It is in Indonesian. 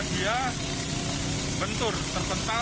dia bentur terpental